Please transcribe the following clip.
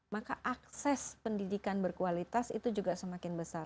maka akses pendidikan berkualitas itu juga seharusnya